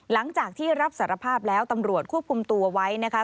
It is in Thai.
หลังจากที่รับสารภาพแล้วตำรวจควบคุมตัวไว้นะคะ